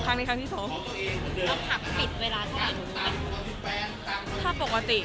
ครั้งนี้กันจะฝักฝิดเวลาเวลาหนูน่ะถ้าปกติ